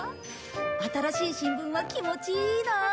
新しい新聞は気持ちいいな。